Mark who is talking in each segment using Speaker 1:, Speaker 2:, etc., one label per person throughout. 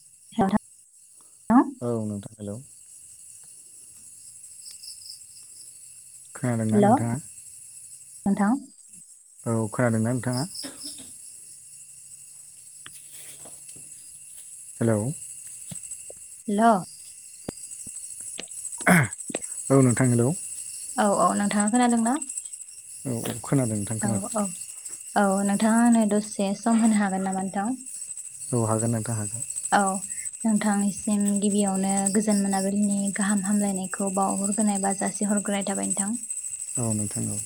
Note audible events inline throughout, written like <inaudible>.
Speaker 1: <unintelligible>
Speaker 2: औ नोंथां हेलौ खोनादोंना नोंथाङा
Speaker 1: नोंथां
Speaker 2: औ खोनादोंना नोंथाङा हेल'
Speaker 1: हेल'
Speaker 2: <unintelligible> औ नोंथां हेलौ
Speaker 1: औ-औ नोंथाङा खोनादोंना?
Speaker 2: औ-औ खोनादों नोंथां
Speaker 1: औ
Speaker 2: खोनादों।
Speaker 1: औ औ नोंथाङानो दसे सम होनो हागोन नामा नोंथां?
Speaker 2: औ हागोन नोंथां हागोन।
Speaker 1: औ नोंथांनिसिम गिबियावनो गोजोन मोनाबिलिनि गाहाम हामलायनायखौ बाव होगोनाय बा जासि हरग्रोनाय थाबाय नोंथां।
Speaker 2: औ नोंथां औ।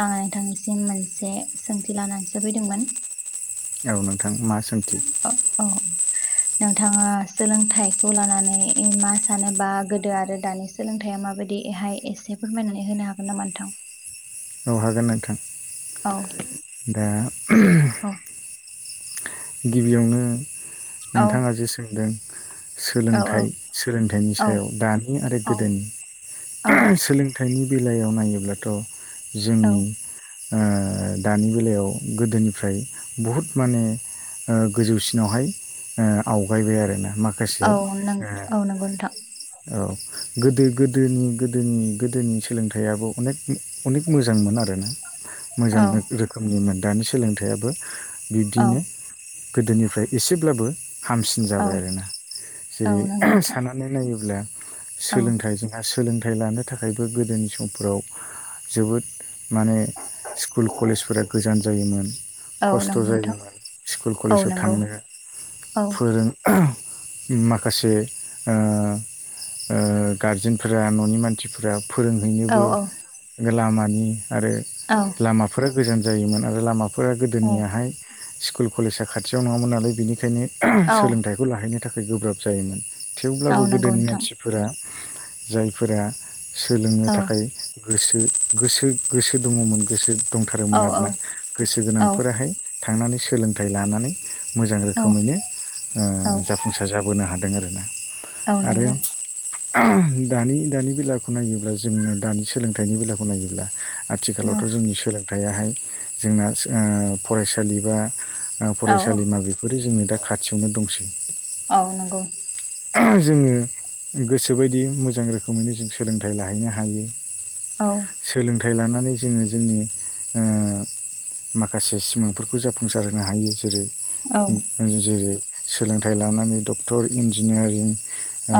Speaker 1: आंङो नोंथांनिसिम मोनसे सोंथि लानानैसो फैदोंमोन।
Speaker 2: औ नोंथां मा सोंथि।
Speaker 1: औ औ। नोंथांङा सोलोंथाइखौ लानानै मा सानोबा गोदो आरो दानि सोलोंथाइया मा। माबायदिहाय एसे फोरमायनानै होनो हागोन नामा नोंथां।
Speaker 2: औ हागोन नोंथां
Speaker 1: औ
Speaker 2: दा <unintelligible>
Speaker 1: एसे औ
Speaker 2: गिबियावनो
Speaker 1: औ
Speaker 2: नोंथांङा जे सोंदों।
Speaker 1: औ
Speaker 2: सोलोंथाइ-सोलोंथाइनि
Speaker 1: औ औ
Speaker 2: सायाव दानि आरो
Speaker 1: औ
Speaker 2: गोदोनि
Speaker 1: औ
Speaker 2: सोलोंथाइ। सोलोंथायनि बेलायाव नायोब्लाथ
Speaker 1: औ
Speaker 2: जोंनि। ओ दानि बेलायाव गोदोनिफ्राय बहुद माने। ओ गोजौसिनावहाय ओ आवगायबाय आरोना
Speaker 1: औ
Speaker 2: माखासे
Speaker 1: नों
Speaker 2: ओ
Speaker 1: औ नंगौ नोंथां
Speaker 2: औ गोदो-गोदोनि-गोदोनि-गोदोनि सोलोंथाइयाबो अनेक मोजांमोन आरोना। मोजां
Speaker 1: औ
Speaker 2: रोखोमनिमोन दानि सोलोंथाइयाबो
Speaker 1: औ
Speaker 2: बिब्दिनो गोदोनिफ्राय एसेब्लाबो हामसिन
Speaker 1: औ
Speaker 2: जाबाय आरोना
Speaker 1: औ
Speaker 2: जेरै
Speaker 1: नंगौ नोंथां
Speaker 2: साननानै नायो ब्ला
Speaker 1: औ
Speaker 2: सोलोंथाइ जोंहा सोलोंथाइ लानो थाखायबो गोदोनि समफोराव जोबोद माने स्कुल कलेजफोरा गोजान जायोमोन।
Speaker 1: औ
Speaker 2: खस्थ
Speaker 1: नंगौ नोंथां
Speaker 2: जायोमोन स्कुल
Speaker 1: औ
Speaker 2: कलेजाव
Speaker 1: नंगौ
Speaker 2: थांनो
Speaker 1: औ
Speaker 2: फोरों माखासे ओ ओ गारजेनफोरा ननि मानसिफोरा
Speaker 1: औ
Speaker 2: फोरोंहैनोबो लामा।
Speaker 1: औ
Speaker 2: <unintelligible> लामाफ्राबो गोजान जायोमोन आरो लामाफ्रा
Speaker 1: औ
Speaker 2: गोदोनिया सकुल। कलेजा खाथियाव नङामोन नालाय बेनिखायनो
Speaker 1: औ
Speaker 2: सोलोंथाइखौ लाहैनो थाखाय गोब्राब जायोमोन।
Speaker 1: औ
Speaker 2: थेवब्लाबो
Speaker 1: नंगौ
Speaker 2: गोदोनि
Speaker 1: नोंथां
Speaker 2: मानसिफोरा जायफोरा सोलोंनो
Speaker 1: औ
Speaker 2: थाखाय। गोसो-गोसो-गोसो दङमोन गोसो
Speaker 1: औ
Speaker 2: दंथारोमोन
Speaker 1: औ
Speaker 2: आरोना गोसो
Speaker 1: औ
Speaker 2: गोनांफोराहाय। थांनानै सोलोंथाइ लानानै मोजां रोखोमैनो
Speaker 1: औ
Speaker 2: जाफुंसार जाबोनो हा दों आरोना।
Speaker 1: औ नंगौ।
Speaker 2: <unintelligible> दानि-दानि बेलाखौ नायोब्ला जोंनो दानि सोलोंथाइनि बेलाखौ नायोब्ला आथिखालावथ
Speaker 1: औ
Speaker 2: जोंनि सोलोंथायाहाय जोंना फरायसालि बा
Speaker 1: औ
Speaker 2: फरायसालिमा बेफोरो जोंनो दा खाथियावनो दंसै।
Speaker 1: औ नंगौ।
Speaker 2: <unintelligible> जोंङो गोसोबायदि मोजां रोखोमैनो जों सोलोंथाइ लाहैनो हायो।
Speaker 1: औ।
Speaker 2: सोलोंथाइ लानानै जोंङो जोंनि ओ माखासे सिमांफोरखौ जाफुंसार होनो हायो जेरै
Speaker 1: औ
Speaker 2: जेरै सोलोंथाइ लानानै डक्टर इन्जिनियारिं ओ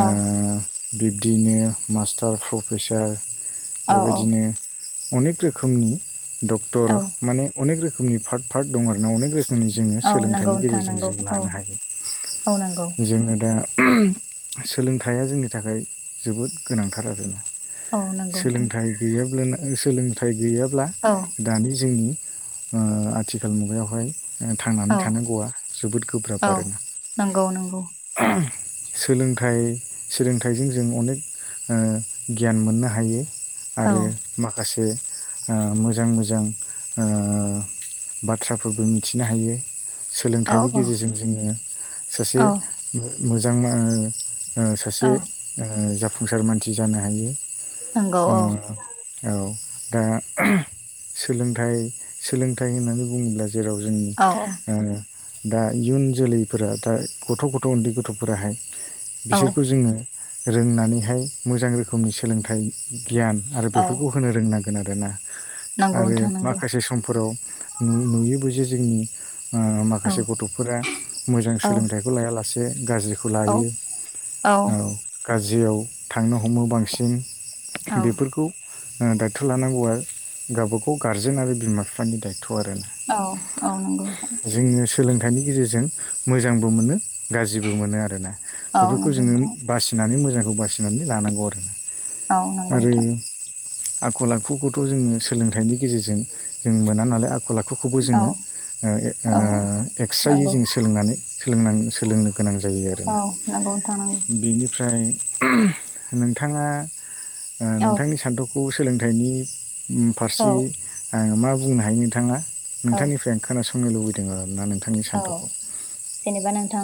Speaker 2: बिब्दिनो मास्टार प्रफेसार।
Speaker 1: औ
Speaker 2: बेबायदिनो अनेक रोखोमनि डक्टर
Speaker 1: औ
Speaker 2: माने अनेक रोख ओमनि पार्थ-पार्थ दं आरोना अनेक रोख मनि जोंङो
Speaker 1: औ नंगौ
Speaker 2: सोलोंथाइनि
Speaker 1: नोंथां
Speaker 2: गेजेरजों
Speaker 1: नंगौ
Speaker 2: जों
Speaker 1: औ
Speaker 2: लानो हायो
Speaker 1: औ नंगौ
Speaker 2: जोंङो दा सोलोंथाइया जोंनि थाखाय जोबोद गोनांथार आरोना।
Speaker 1: औ नंगौ नोंथां
Speaker 2: सोलोंथाइ गैयाबा सोलोंथाइ गैयाब्ला
Speaker 1: औ
Speaker 2: दानि जोंनि। आथिखाल मुगायावहाय। थांनानै
Speaker 1: औ
Speaker 2: थानांगौआ जोबोद गोब्राब
Speaker 1: औ
Speaker 2: आरोना।
Speaker 1: नंगौ नंगौ
Speaker 2: सोलोंथाय। सोलोंथाइजों जों अनेक गियान मोननो हायो।
Speaker 1: औ
Speaker 2: आरो माखासे। मोजां मोजां बाथ्राफोरबो मिथिनो हायो।
Speaker 1: औ
Speaker 2: सोलोंथाइनि गेजेरजों जोंङो सासे
Speaker 1: औ
Speaker 2: मोजां। आ सासे
Speaker 1: औ
Speaker 2: अ जाफुंसार मानसि जानो हायो
Speaker 1: नंगौ
Speaker 2: अ औ आ दा सोलोंथाइ सोलोंथाइ होननानै बुङोब्ला । जेराव जोंनि
Speaker 1: औ
Speaker 2: आ दा इयुन जोलैफोरा दा गथ' गथ' उन्दै गथ'फोराहाय
Speaker 1: औ
Speaker 2: बिसोरखौ जोङो रोंनानैहाय मोजां रोखोमनि सोलोंथाइ गियान आरो
Speaker 1: औ
Speaker 2: बेफोरखौ होनो रोंनांगोन आरोना
Speaker 1: नंगौ
Speaker 2: आरो
Speaker 1: नोंथां नंगौ
Speaker 2: माखासे समफोराव । नु नुयोबो जे जोंनि
Speaker 1: औ
Speaker 2: माखासे गथ'फोरा मोजां
Speaker 1: औ
Speaker 2: सोलोंथाइखौ लायाला से गाज्रिखौ
Speaker 1: औ
Speaker 2: लायो ।
Speaker 1: औ ।
Speaker 2: गाज्रियाव थांनो हमो बांसिन
Speaker 1: औ
Speaker 2: बेफोरखौ । अ दायथ' लानांगौआ गावबाागाव गारजेन आरो बिमा बिफानि दायथ' । था आरो ना
Speaker 1: औ औ नंगौ नोंथां
Speaker 2: जोङो सोलोंथाइनि गेजेरजों मोजांबो मोनो गाज्रिबो मोनो आरो
Speaker 1: औ
Speaker 2: बेफोरखौ
Speaker 1: नंगौ
Speaker 2: जोङो
Speaker 1: नोंथां
Speaker 2: बासिनानै मोजांखौ बासिनानै लानांगौ आरो ।
Speaker 1: औ नंगौ नोंथां ।
Speaker 2: आखल आखुखौथ' जोङो सोलोंथाइनि गेजेरजों जों मोना नालाय आखल आखु । आखुखौबो
Speaker 1: औ
Speaker 2: जोङो अ अ
Speaker 1: औ
Speaker 2: एक्सट्रायै
Speaker 1: नंगौ
Speaker 2: जोङो सोलोंनानै सोलों सोलोंनो गोनां जायो
Speaker 1: औ
Speaker 2: आरोना
Speaker 1: नंगौ नोथा नंग ।
Speaker 2: बेनिफ्राय नोंथाङा अ
Speaker 1: औ
Speaker 2: नोंथांनि सान्थौखौ सोलोंथाइनि ओम
Speaker 1: औ
Speaker 2: फारसे आङ मा बुंनो हायो नोंथाङा
Speaker 1: औ
Speaker 2: नोंथांनिफ्राय आं खोनासंनो लुबैदों आरो ना नों
Speaker 1: औ जेनेबा नोंथां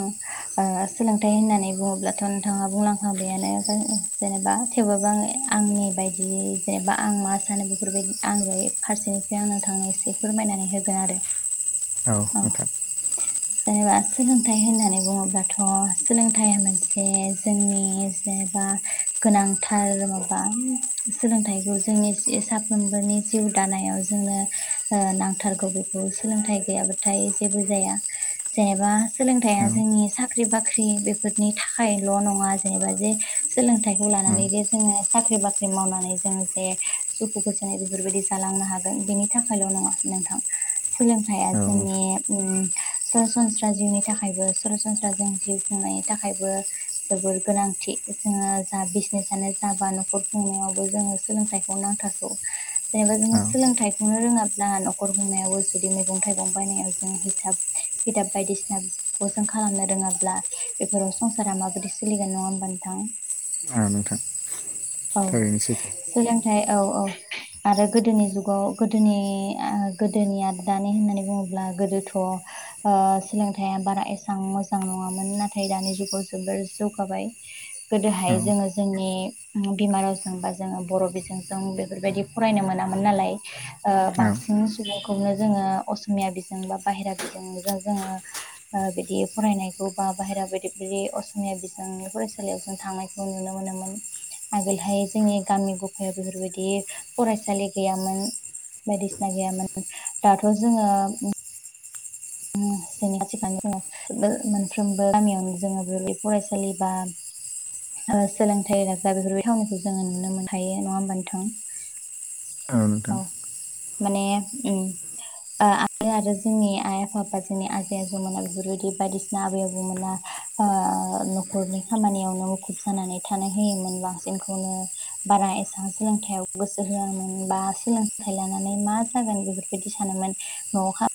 Speaker 1: आ सोलोंथाइ होननानै बुङोब्लाथ' नोंथाङा बुंलांखांबायानो जेनेबा थेवबाबो आङो । आंनि बायदि जेनेबा आं मा सानो बेफोरबायदि आंनि बे फारसेनिफ्राय आंनो थांनो एसे फोरमाय नानै होगोन आरो
Speaker 2: औ नोंथां
Speaker 1: जेनेबा सोलोंथाइ होननानै बुङोब्लाथ' सोलोंथाइया मोनसे जोंनि जेनेबा गोनांथार माबा सोलोंथाइखौ जोंनि साफ्रोमबोनि जिउ दानायाव जों जोंनो ओ नांथारगौ बेखौ सोलोंथ गैयाबाथा यह जेबो जाया जेनेबा सोलोंथया जोंनि सा साख्रि बाख्रि बेफोरनि थाखायल' नङा जेनेबा जे सोलोंथाइखौ
Speaker 2: औ
Speaker 1: लानानै जे जोङो साख्रि साख्रि बाख्रि मावनानै जोङो जे सुखु गोजोननाय बेफोरबायदि जालांनो हागोन बेनि थाखायल' नङा नोंथां थां सोलोंथाया
Speaker 2: औ नोंथां
Speaker 1: जोंनि ओम सरासनस्रा जिउनि थाखायबो सरासनस्रा जों जिउ खुंनायनि थाखायबो जोबोर गोनांथि जोङो जा बिजनेसानो जा बा न'खर खुंनायावबो जोङो सोलोंथाइ नांथारगौ जेनेबा जोङो
Speaker 2: औ
Speaker 1: सोलोंथाइखौनो रोङाब्ला न'खर हमनायावबो जुदि मैगं थाइगं बायनाय ज हसिदाब बायदिसिनाखौ जों खालामनो रोङाब्ला बेफोराव संसारा माबदि सोलिगोन नाङा होनबा नोंथां
Speaker 2: औ नोंथां ।
Speaker 1: औ सोलोंथाइ औ औ । आरो गोदोनि जुगाव गोदोनि आ गोदोनि आरो दानि होननानै बुङोब्ला गोदोथ' आ सोलोंथाइया बारा एसां मोजां नङामोन नाथाय दानि जुगाव जोबोर जौगाबाय।
Speaker 2: औ
Speaker 1: गोदोहाय जोङो जोंनि बिमा रावजों बा जोङो बर' बिजोंजों बेफोरबायदि फरायनो मोनामोन नालाय आ
Speaker 2: औ
Speaker 1: बांसि सिन सुबुंखौनो जोङो असमिया बिजों बा बाहेरा बिजोंजों जोङो बिदि फ फरायनायखौ बा बाहेरा बायदि बदि असमिया बिजोंनि फरायसालियाव जों थांनायखौ नुनो मोनोमोन। आगोलहाय जोंनि गामि गफायाव बेफोरबायदि फरायसालि गैयामोन बायदिसिना गैयामोन दाथ' जोङो <inaudible> <inaudible> मोनफ्रोमबो गामियावनो जोंङो <inaudible> फरायसालि बा ओ सोलोंथाइ लाग्रा बेफोरबाय थावनिखौ जोङो नुनो मोन हायो नवा होमबा नोंथां
Speaker 2: ओ नोंथां।
Speaker 1: औ माने उम ओ आरो आरो जोंनि आइ आफाफा जोंनि आजै आजौमोना बेफोरबायदि बायदिसिना आबै आबौमोना ओ न'खरनि खामानियावनो मुखुब जानानै थानो होयोमोन बांसिनखौनो बारा एसां सोलोंथायाव गोसो होआमोन बा सोलोंथाइ लानानै मा जागोन बेफोरबायदि सानोमोन न'आवहा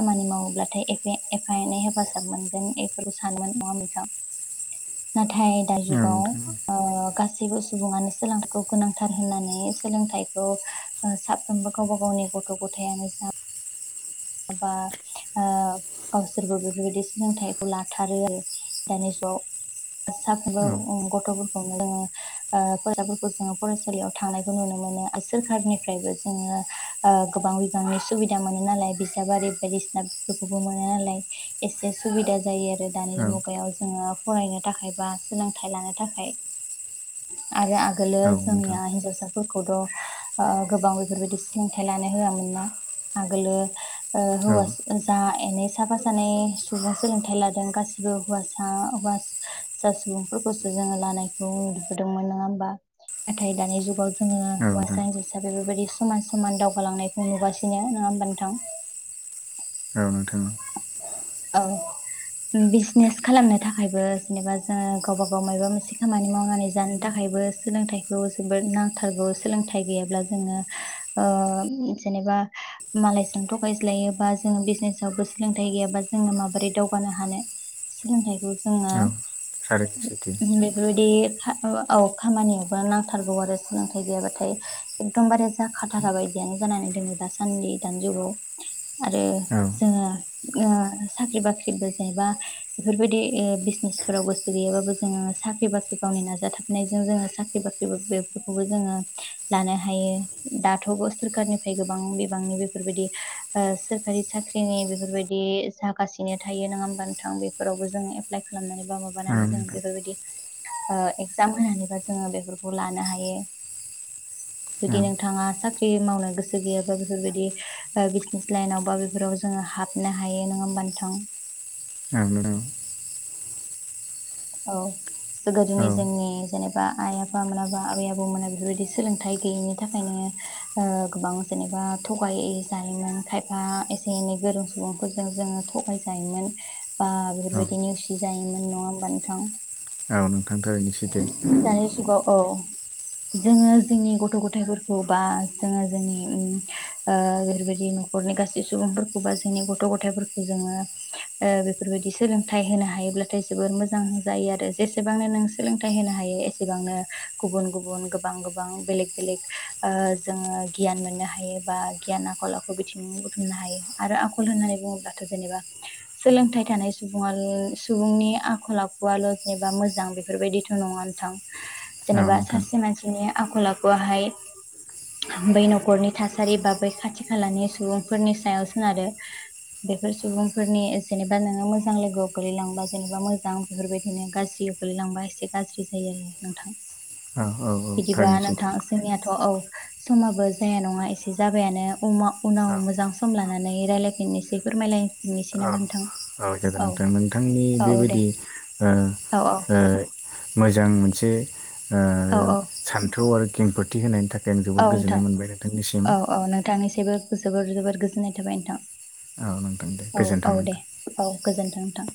Speaker 1: खामानि मावोब्लाथाय एफे-एफा एनै हेफाजाब मोनगोन एफोरखौ सानोमोन नंङा होमबा नोंथां नाथाय दा
Speaker 2: औ
Speaker 1: जुगाव
Speaker 2: नोंथां
Speaker 1: ओ गा सैबो सुबुङानो सोलोंथाइखौ गोनांथार होननानै सोलोंथाइखौ ओ साफ्रोमबो गावबा गावनि गथ' गथायानो जा बा ओ गावसोरबो बेफोरबायदि सोलोंथाइखौ लाथारो आरो दानि <unintelligible> साफ्रोमबो
Speaker 2: औ
Speaker 1: उम गथ गथायावनो जोंङो ओ फरायसाफोरखौ जों फरायसालियाव थांनायखौ नुनो मोनो ओ सोरखारनिफ्रायबो जोङो ओ गोबां बिबांनि सुबिदा मोनो नालाय बि दाबारि बायदिसिनाफोरखौबो मोनो नालाय एसे सुबिदा जायो आ रो
Speaker 2: औ
Speaker 1: दानि मुगायाव जोङो फरायनो थाखाय बा सोलोंथाइ लानो थाखाय आरो आ गोलो
Speaker 2: औ नोंथां
Speaker 1: जोंनिया हिनजावसा फोरखौथ' ओ गोबां बेफोरबायदि सोलोंथाइ लानो होआ मोनना आगोलो ओ
Speaker 2: औ
Speaker 1: हौवास जा एनै साफा सानै सुबुं सोलोंथाइ लादों गासिबो हुवासा-हुवा सा सुबुंफोरखौसो जोङो लानायखौ नुबोदोंमोन नोङा होमबा नाथाय दानि जुगाव जोङो
Speaker 2: औ नोंथां
Speaker 1: हुवासा हिनजावसा बेफोरबायदि समान समान दावगालांनायखो नुगासिनो नोङा होमबा नोथां
Speaker 2: औ नोंथां
Speaker 1: औ उम बिजनेस खालामनो थाखायबो जेनेबा जोङो गावबा गाव मायबा मोसे खामानि मावनानै जानो थाखाय बो सोलोंथाइखौ जबोर नांथारगौ सोंथाइ गैयाब्ला जोङो ओ जेने ओ मालायजों थगायज्लायोबा जोङो बिजनेजआवबो सोलोंथाइ गैयाबा जोङो माबोरै दावगानो हानो सोलोंथाइखौ जोङो
Speaker 2: औ थारैनो सैथो
Speaker 1: बेफोरबायदि एफा औ खामानियावबा नांथारगौ आरो सोलोंथाइ गैयाबाथाय एकदम बारे थाखा थाखा बायदियानो जानानै दोङो दासान्दि दानि जुगाव आरो
Speaker 2: औ
Speaker 1: जोङो ओ साख्रि बाख्रिबो जेनेबा बेफोरबायदि ए बिजनेसफोराव गोसो गैयाबाबो जोङो साख्रि बाख्रि गावनि नाजाथाबनायजों जोङो साख्रि बाख्रिबो बेफोरखौबो जोङो लानो हायो दाथ' सोरखारनिफ्राय गोबां बिबांनि बेफोरबायदि ओ सोरखारि साख्रिनि बेफोरबायदि जागासिनो थायो नोङा होमबा नोंथां बेफोरावबो जों एप्लाइ खालामनानै बा माबानानै जों
Speaker 2: नोंथां
Speaker 1: बेफोरबायदि ओ एगजाम होनानैबा जोङो बेफोरखौ लानो हायो।
Speaker 2: औ
Speaker 1: जुदि नोंथाङा साख्रि मावनो गोसो गैयाबा बेफोरबायदि ओ बिजनेस लाइनाव बा बेफोराव जोङो हाबनो हायो नोङा ओमबा नोथां
Speaker 2: औ नोंथां
Speaker 1: औ
Speaker 2: औ
Speaker 1: गोदोनि जोंनि जेनेबा आइ आफा मोनाबा आबै आबौ मोना बेफोरबायदि सोलोंथायाइ गैयिनि थाखायनो ओ गोबां जेनेबा थगाय जायोमोन खायफा एसे एनै गोरों सुबुंफोरजों जोङो थगाय जायोमोन बा बेफोरबायदि नेवसि जायोमोन नवा होमबा नोथां
Speaker 2: औ नोंथां थारैनो सैथो
Speaker 1: दानि जुगाव औ जोङो जोंनि गथ' गथायफोरखौ बा जोङो जोंनि उम ओ बेफोरबायदि न'खरनि गासै सुबुंफोरखौ बा जोंनि गथ' गथायफोरखौ जोङो ओ बेफोरबायदि सोलोंथाइ होनो हायोब्लाथाय जोबोर मोजां होनजायो आरो जेसेबांनो नों सोलोंथाइ होनो हायो एसेबांनो गुबुन गुबुन गोबां गोबां बेलेग बेलेग जोङो गियान मोननो हायो बा गियान आखल आखु बिथिं बुथुमनो हायो आरो आखल होननानै बुङोब्लाथ' जेनेबा सोलोंथाइ थानाय सुबुं सुबुंनि आखल आखुआल' जेनेबा मोजां बे बेफोरबायदिथ' नङा नथां
Speaker 2: औ
Speaker 1: जेनेबा
Speaker 2: नोंथां
Speaker 1: सासे मानसिनि आखल आखुआहाय बै न'खरनि थासारि बा बै खाथि खालानि सुबुंफोरनि सायाव सोनारो बेफोर सुबुंफोरनि जेनेबा नोङो मोजां लोगोआव गोलैलांबा जेनेबा मोजां बेफोरबायदिनो गाज्रि गोगलैलांबा एसे गाज्रि जायो आरो नोंथां
Speaker 2: औ औ औ
Speaker 1: बिदिबा
Speaker 2: थारैनो सैथो
Speaker 1: नोंथां जोंनियाथ' औश समाबो जाया नङा एसे जाबायानो उनाव
Speaker 2: औ
Speaker 1: मोजां सम लानानै रायलायफिननोसै फोरमायलायनिसै ना
Speaker 2: औ
Speaker 1: नोथां।
Speaker 2: औ जागोन नोंथां नोंथांनि बेबायदि
Speaker 1: औ औ
Speaker 2: मोजां मोनसे
Speaker 1: औ औ
Speaker 2: सान्थौ आरो खेंफोथि होनायनि थाखाय आं
Speaker 1: औ
Speaker 2: जोबोद
Speaker 1: नोंथां
Speaker 2: गोजोननाय मोनबाय नोंथांनिसिम
Speaker 1: औ औ नोंथांनिसबो जोबोर जोबोर गोजोननाय थाबाय नोंथां।
Speaker 2: औ नोंथां दे
Speaker 1: औ
Speaker 2: गोजोन्थों
Speaker 1: औ
Speaker 2: नोंथां
Speaker 1: दे औ गोजोनथों नोंथां।